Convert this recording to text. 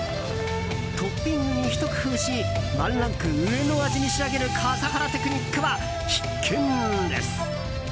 トッピングにひと工夫しワンランク上の味に仕上げる笠原テクニックは必見です。